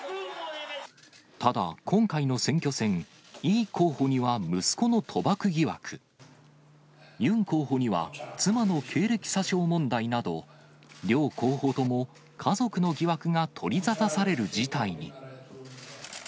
ただ、今回の選挙戦、イ候補には息子の賭博疑惑、ユン候補には妻の経歴詐称問題など、両候補とも家族の疑惑が取り沙汰される事態に。